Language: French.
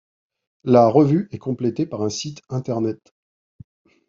La revue est complétée par un site internet.